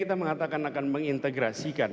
kita mengatakan akan mengintegrasikan